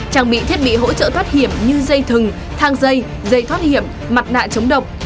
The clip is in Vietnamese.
trang bị thiết bị hỗ trợ thoát hiểm như dây thừng thang dây dây thoát hiểm mặt nạ chống độc